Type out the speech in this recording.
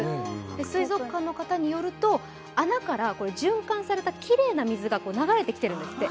水族館の方によると、穴から循環されたきれいな水が流れてきているんですって。